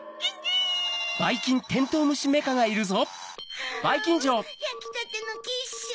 はぁやきたてのキッシュ。